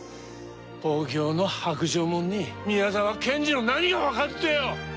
東京の薄情もんに宮沢賢治の何が分かるってよ。